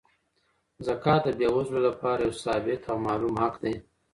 زکات د بې وزلو لپاره یو ثابت او معلوم حق دی.